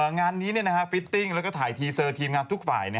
งานนี้ฟิตติ้งแล้วก็ถ่ายทีเซอร์ทีมงานทุกฝ่าย